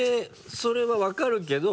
それは分かるけど。